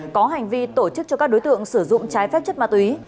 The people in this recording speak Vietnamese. có hành vi tổ chức cho các đối tượng sử dụng trái phép chất ma túy